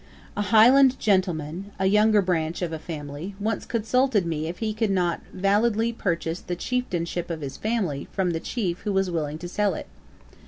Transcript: A Highland gentleman, a younger branch of a family, once consulted me if he could not validly purchase the Chieftainship of his family, from the Chief who was willing to sell it.